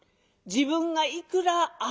自分がいくらああ